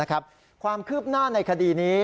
ความคืบหน้าในคดีนี้